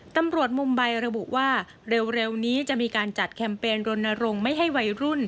ตำรวจมุมใบระบุว่าเร็วนี้จะมีการจัดแคมเปญรณรงค์ไม่ให้วัยรุ่น